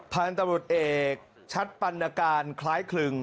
ผ่านตำรวจเอกชัดปรรณาการคล้ายคลึง